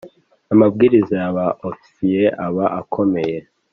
amabwiriza ya Ba ofisiye aba akomeye.